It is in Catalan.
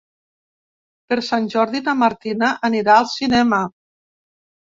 Per Sant Jordi na Martina anirà al cinema.